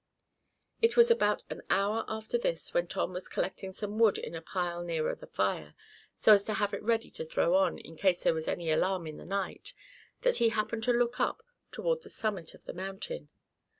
It was about an hour after this when Tom was collecting some wood in a pile nearer the fire, so as to have it ready to throw on, in case there was any alarm in the night, that he happened to look up toward the summit of the mountain.